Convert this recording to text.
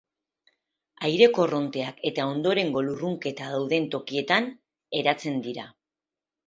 Aire korronteak eta ondorengo lurrunketa dauden tokietan eratzen dira.